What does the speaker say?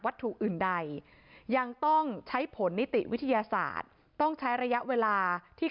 ถูกอื่นใดยังต้องใช้ผลนิติวิทยาศาสตร์ต้องใช้ระยะเวลาที่